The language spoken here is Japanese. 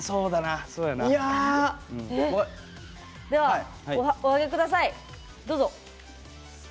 では、お上げください。